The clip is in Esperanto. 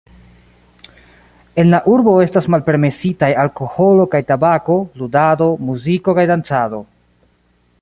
En la urbo estas malpermesitaj alkoholo kaj tabako, ludado, muziko kaj dancado.